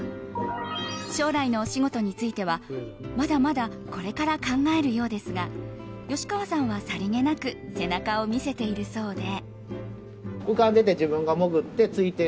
将来のお仕事についてはまだまだこれから考えるようですが吉川さんは、さりげなく背中を見せているそうで。